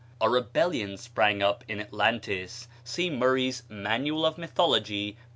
A rebellion sprang up in Atlantis (see Murray's "Mannal of Mythology," p.